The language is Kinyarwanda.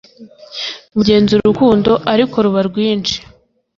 mugenza urukundo ariko ruba rwinshi